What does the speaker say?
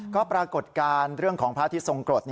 ก็ปรากฏการณ์เรื่องของพระอาทิตยทรงกรด